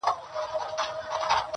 • اوس يې څنگه ښه له ياده وباسم.